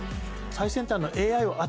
最先端のＡＩを扱える